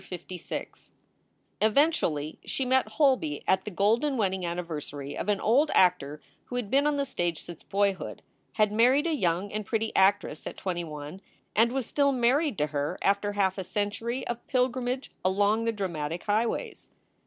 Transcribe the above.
CHAPTER LVI EVENTUALLY she met Holby at the golden wedding anniversary of an old actor who had been on the stage since boyhood, had married a young and pretty actress at twenty one, and was still married to her after half a century of pilgrimage along the dramatic highways.